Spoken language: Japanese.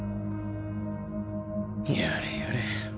やれやれ。